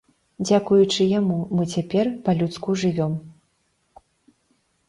Дзякуючы яму мы цяпер па-людску жывём.